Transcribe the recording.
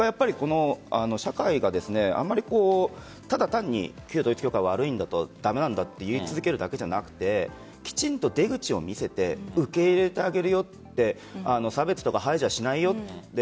社会があまりただ単に旧統一教会が悪いんだと駄目なんだと言い続けるだけではなくてきちんと出口を見せて受け入れてあげるよと差別とか排除はしないよと。